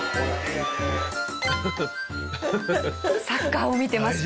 サッカーを見ています。